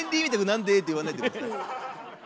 「なんで」って言わないで下さい。